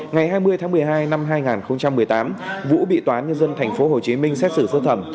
ngày hai mươi tháng một mươi hai năm hai nghìn một mươi tám vũ bị tòa nhân dân thành phố hồ chí minh xét xử sơ thẩm